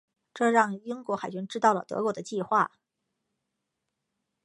这让英国海军知道了德国的计划。